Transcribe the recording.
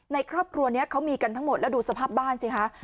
ครอบครัวนี้เขามีกันทั้งหมดแล้วดูสภาพบ้านสิคะ